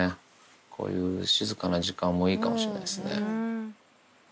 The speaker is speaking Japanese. こういう静かな時間もいいかもしれないですね。